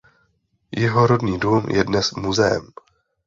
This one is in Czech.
Jeho rodný dům je dnes muzeem.